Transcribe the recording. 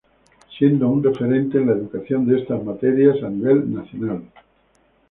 Siendo un referente en la educación de estas materias a nivel nacional.